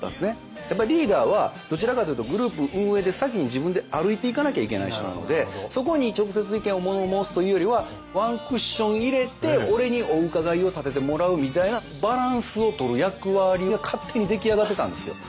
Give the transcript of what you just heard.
やっぱリーダーはどちらかというとグループ運営で先に自分で歩いていかなきゃいけない人なのでそこに直接意見を物申すというよりはワンクッション入れて俺にお伺いを立ててもらうみたいなバランスをとる役割が勝手に出来上がってたんですよ。